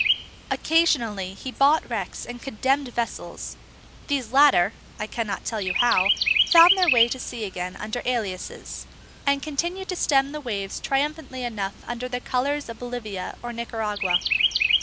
Occasionally he bought wrecks and condemned vessels; these latter (I cannot tell you how) found their way to sea again under aliases, and continued to stem the waves triumphantly enough under the colours of Bolivia or Nicaragua.